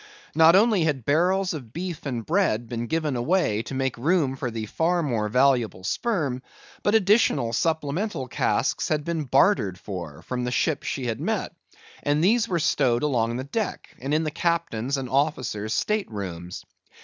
Not only had barrels of beef and bread been given away to make room for the far more valuable sperm, but additional supplemental casks had been bartered for, from the ships she had met; and these were stowed along the deck, and in the captain's and officers' state rooms.